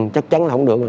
chắc chắn là không được rồi